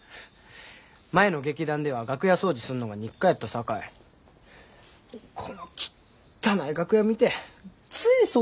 前の劇団では楽屋掃除すんのが日課やったさかいこのきったない楽屋見てつい掃除したなってしもて。